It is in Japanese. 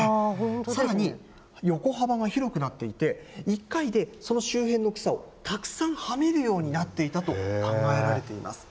さらに横幅が広くなっていて、１回でその周辺の草をたくさんはめるようになっていたと考えられています。